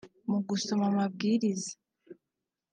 Mu gusoma amabwiriza